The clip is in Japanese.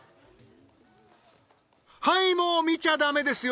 はいもう見ちゃダメですよ